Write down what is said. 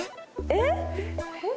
えっ！